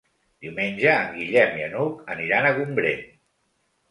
Diumenge en Guillem i n'Hug aniran a Gombrèn.